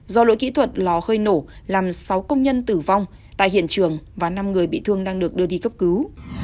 do lỗi kỹ thuật lò hơi nổ làm sáu công nhân tử vong tại hiện trường và năm người bị thương đang được đưa đi cấp cứu